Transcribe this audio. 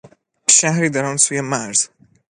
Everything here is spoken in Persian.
شهری در آن سوی مرز